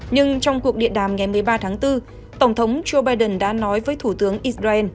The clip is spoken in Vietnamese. nhưng trong cuộc điện đàm ngày một mươi ba tháng bốn tổng thống joe biden đã nói với thủ tướng israel